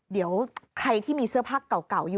เดี๋ยวใครที่มีเสื้อผ้าเก่าอยู่